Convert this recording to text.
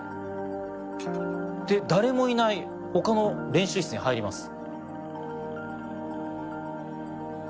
で誰もいない他の練習室に入ります。